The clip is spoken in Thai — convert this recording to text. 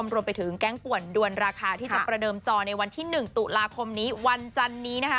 รวมไปถึงแก๊งป่วนด้วนราคาที่จะประเดิมจอในวันที่๑ตุลาคมนี้วันจันนี้นะคะ